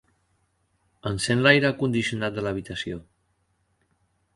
Encén l'aire condicionat de l'habitació.